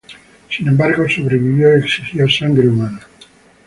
Sin embargo, sobrevivió y exigió sangre humana.